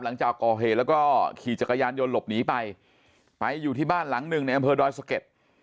หลังจากก่อเหตุแล้วก็ขี่จักรยานยนต์หลบหนีไปไปอยู่ที่บ้านหลังหนึ่งในอำเภอดอยสะเก็ด